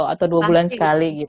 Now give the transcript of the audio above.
atau dua bulan sekali gitu